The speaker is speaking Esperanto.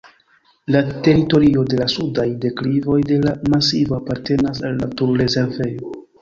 La teritorio de la sudaj deklivoj de la masivo apartenas al la natur-rezervejo.